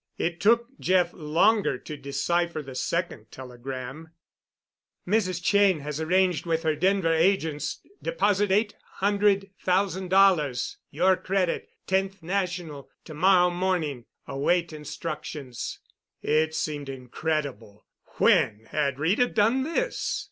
It took Jeff longer to decipher the second telegram: "Mrs. Cheyne has arranged with her Denver agents—deposit eight hundred thousand dollars your credit Tenth National to morrow morning. Await instructions." It seemed incredible. When had Rita done this?